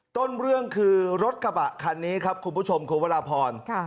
ต้นเรื่องคือรถกระบะคันนี้ครับคุณผู้ชมคุณวราพร